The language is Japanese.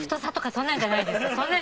そんなんじゃないです。